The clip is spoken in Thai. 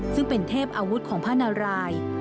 ซึ่งเป็นเทพอาวุธของพระนาราย